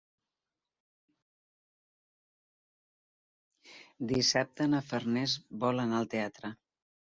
Dissabte na Farners vol anar al teatre.